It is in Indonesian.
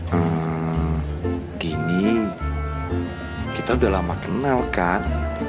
hmm gini kita udah lama kenal kan